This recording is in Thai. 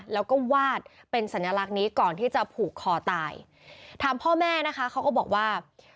แล้วก็วาดเป็นสัญลักษณ์นี้ก่อนที่จะผูกคอตายถามพ่อแม่นะคะเขาก็บอกว่า